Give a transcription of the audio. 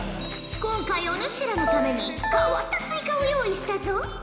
今回お主らのために変わったスイカを用意したぞ！